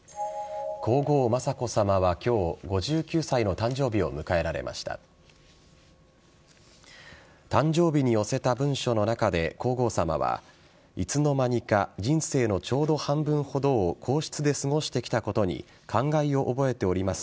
誕生日に寄せた文書の中で皇后さまはいつの間にか人生のちょうど半分ほどを皇室で過ごしてきたことに感慨を覚えております。